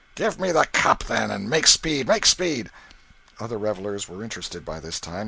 "Give me the cup, then, and make speed, make speed!" Other revellers were interested by this time.